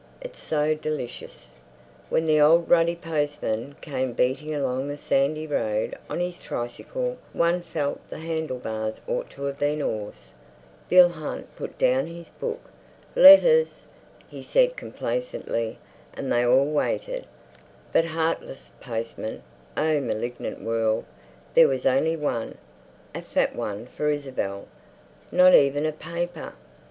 It's so delicious." When the old ruddy postman came beating along the sandy road on his tricycle one felt the handle bars ought to have been oars. Bill Hunt put down his book. "Letters," he said complacently, and they all waited. But, heartless postman—O malignant world! There was only one, a fat one for Isabel. Not even a paper.